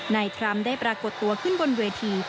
ทรัมป์ได้ปรากฏตัวขึ้นบนเวที